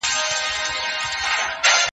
د تاریخي پوهي اهمیت له هر چا سره دی.